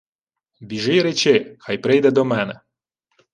— Біжи й речи, хай прийде до мене.